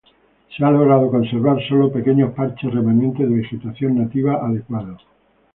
Se ha logrado conservar sólo pequeños parches remanentes de vegetación nativa adecuada.